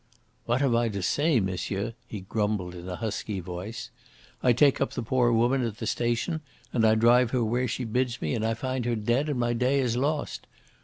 "What have I to say, monsieur?" he grumbled in a husky voice. "I take up the poor woman at the station and I drive her where she bids me, and I find her dead, and my day is lost.